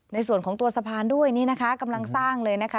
ในส่วนของตัวสะพานด้วยนี่นะคะกำลังสร้างเลยนะคะ